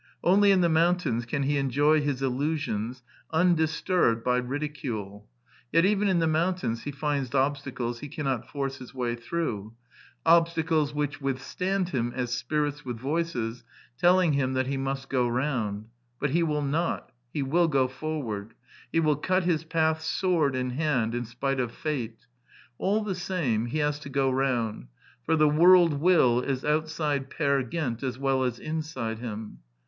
Only in the moun tains can he enjoy his illusions undisturbed by 56 The Quintessence of Ibsenism ridicule ; yet even in the mountains he finds obsta cles he cannot force his way through, obstacles which withstand him as spirits with voices, telling him that he must go round. But he will not : he will go forward: he will cut his path sword in hand, in spite of fate. All the same, he has to go round; for the world will is outside Peer Gynt as well as inside him.